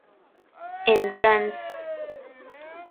En Trans.